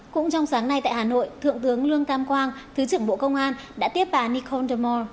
cũng trong sáng nay tại hà nội thượng tướng lương tam quang thứ trưởng bộ công an đã tiếp bà nikol demore